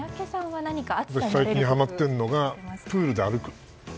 私、最近はまってるのがプールで歩く。